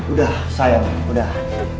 udah sayang udah